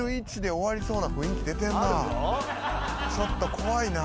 ちょっと怖いな。